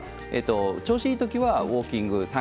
調子いいときはウォーキング３ｋｍ。